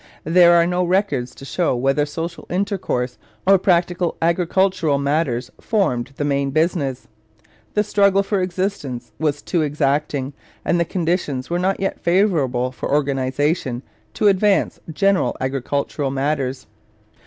There are no records to show whether social intercourse or practical agricultural matters formed the main business. The struggle for existence was too exacting and the conditions were not yet favourable for organization to advance general agricultural matters.